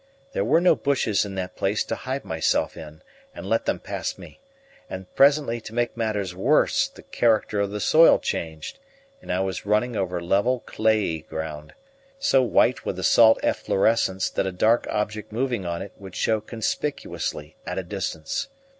There were no bushes in that place to hide myself in and let them pass me; and presently, to make matters worse, the character of the soil changed, and I was running over level clayey ground, so white with a salt efflorescence that a dark object moving on it would show conspicuously at a distance.